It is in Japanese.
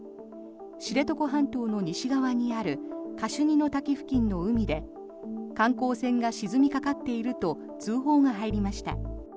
知床半島の西側にあるカシュニの滝付近の海で観光船が沈みかかっていると通報が入りました。